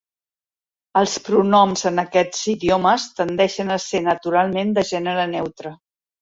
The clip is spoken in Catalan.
Els pronoms en aquests idiomes tendeixen a ser naturalment de gènere neutre.